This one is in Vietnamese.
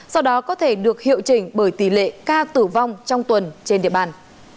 sau đó có thể được hiệu chỉnh bởi tỷ lệ ca tử vong trong tuần trên địa bàn